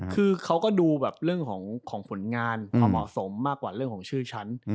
คือเขาก็ดูแบบเรื่องของผลงานความเหมาะสมมากกว่าเรื่องของชื่อฉัน